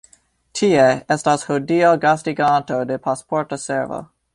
Tie estas hodiaŭ gastiganto de Pasporta Servo.